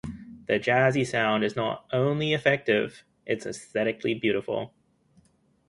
The jazzy sound is not only effective, it's aesthetically beautiful.